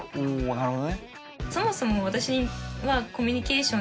なるほど。